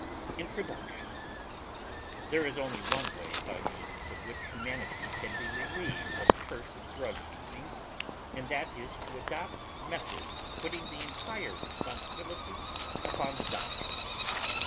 INTRODUCTION There is only one way by means of which humanity can be relieved of the curse of drug using, and that is to adopt methods putting the entire responsibility upon the doctor.